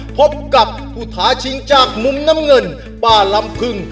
พบกับผู้ท้าชิงจากมุมน้ำเงินป้าลำพึง